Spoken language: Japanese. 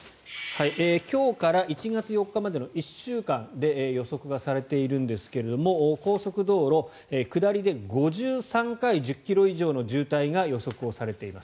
今日から１月４日までの１週間で予測がされているんですが高速道路、下りで５３回１０ｋｍ以上の渋滞が予測されています。